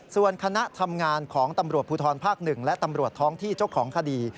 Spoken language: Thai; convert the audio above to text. ส่วนคณะทำงานของตำรวจภูทรภาค๑และตำรวจท้องที่เจ้าของคดี